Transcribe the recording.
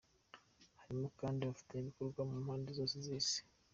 Harimo kandi abafatanyabikorwa mu mpande zose z’Isi.